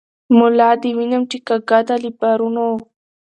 ملا دي وینم چی کږه ده له بارونو